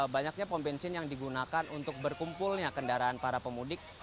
banyaknya pom bensin yang digunakan untuk berkumpulnya kendaraan para pemudik